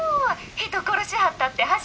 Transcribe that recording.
人殺しはったって初めて？」。